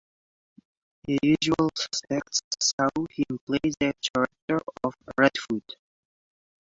"The Usual Suspects" saw him play the character of Redfoot.